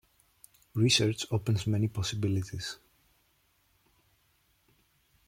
Research opens many possibilities.